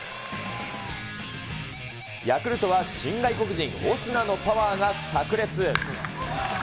ヤクルトは新外国人、オスナのパワーが炸裂。